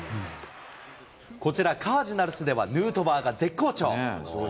こちら、カージナルスではヌートバーが絶好調。